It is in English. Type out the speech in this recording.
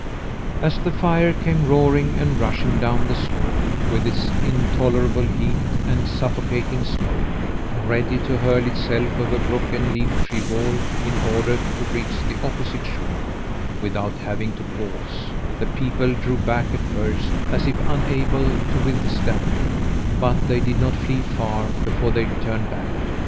As the fire came roaring and rushing down the slope with its intolerable heat and suffocating smoke, ready to hurl itself over brook and leaf tree wall in order to reach the opposite shore without having to pause, the people drew back at first as if unable to withstand it; but they did not flee far before they turned back.